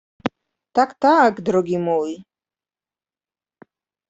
— Tak, tak, drogi mój!